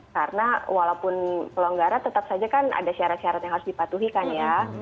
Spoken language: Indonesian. karena walaupun pelonggaran tetap saja kan ada syarat syarat yang harus dipatuhi kan ya